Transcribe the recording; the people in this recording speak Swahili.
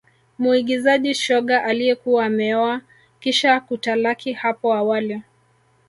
Muigizaji shoga aliyekuwa ameoa kisha kutalaki hapo awali